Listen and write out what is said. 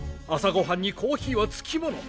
朝ごはんにコーヒーは付き物。